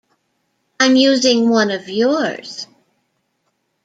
I'm using one of yours.